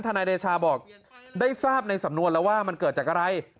นายเดชาบอกได้ทราบในสำนวนแล้วว่ามันเกิดจากอะไร